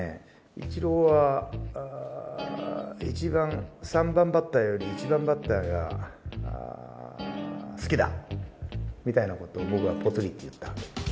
「イチローは３番バッターより１番バッターが好きだ」みたいな事を僕はポツリと言ったわけ。